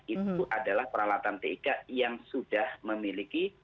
itu adalah peralatan tik yang sudah memiliki